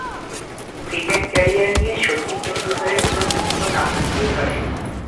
Cricket career নিয়ে শচীন টেন্ডুলকারের কোনো দুঃখ না থাকতেই পারে।